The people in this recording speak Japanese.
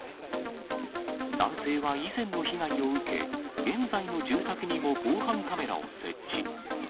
男性は以前の被害を受け、現在の住宅にも防犯カメラを設置。